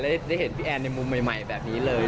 ได้เห็นพี่แอนในมุมใหม่แบบนี้เลย